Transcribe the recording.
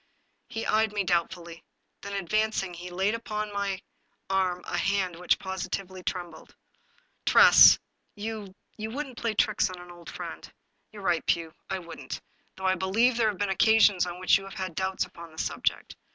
He eyed me doubtfully. Then, advancing, he laid upon my arm a hand which positively trembled. " Tress, you — you wouldn't play tricks on an old friend." " You are right, Pugh, I wouldn't, though I believe there have been occasions on which you have had doubts upon the subject.